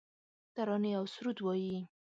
ترانې اوسرود وایې